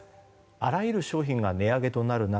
あらゆる商品が値上げとなる中